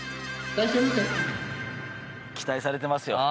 期待されてますよ。